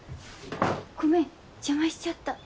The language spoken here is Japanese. ごめん邪魔しちゃった。